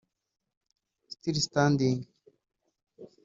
Still Standing